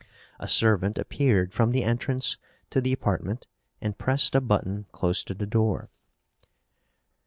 A servant appeared from the entrance to the apartment and pressed a button close to the door.